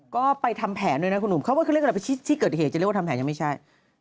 ก็ไปทำแผนด้วยนะคุณหนุ่มเขาก็คือเรียกอะไรไปที่เกิดเหตุจะเรียกว่าทำแผนยังไม่ใช่